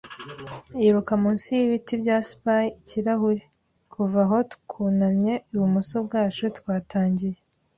yiruka munsi yibiti bya Spy-ikirahure. Kuva aho, twunamye ibumoso bwacu, twatangiye